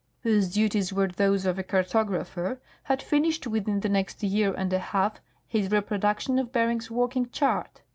215 whose duties were those of a cartographer, had finished within the next year and a half his reproduction of Bering's working chart.